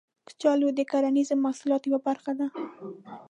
کچالو د کرنیزو محصولاتو یوه برخه ده